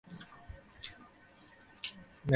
হিন্দুদের মধ্যে বৃত্তির উপরই জাতি নির্ভরশীল।